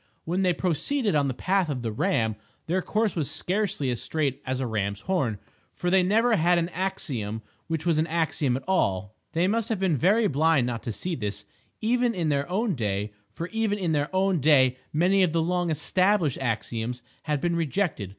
When they proceeded on the path of the Ram, their course was scarcely as straight as a ram's horn, for they never had an axiom which was an axiom at all. They must have been very blind not to see this, even in their own day; for even in their own day many of the long "established" axioms had been rejected.